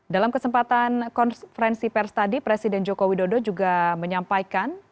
dalam kesempatan konferensi pers tadi presiden joko widodo juga menyampaikan